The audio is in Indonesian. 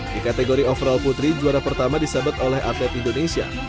di kategori overall putri juara pertama disabat oleh atlet indonesia